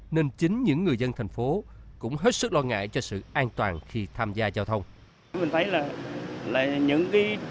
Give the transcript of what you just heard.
nên chính những người dân thành phố cũng hết sức lo ngại cho sự an toàn khi tham gia giao thông